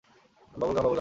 Bubble gum, bubble gum.